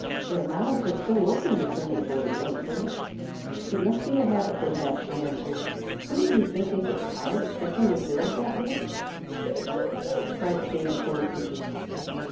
"Their mouths are still open," returned the boy, doubtfully. "It must be a habit they have," she answered. "Wouldn't you think they'd get tired stretching their bills that way?" "Peep! peep! peep!" cried the baby goldfinches.